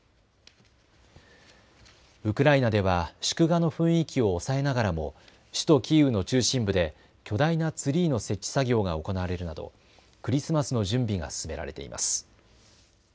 ウクライナでは祝賀の雰囲気を抑えながらも首都キーウの中心部で巨大なツリーの設置作業が行われるなどクリスマスの準備が進められています。